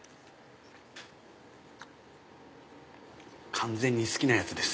完全に好きなやつです。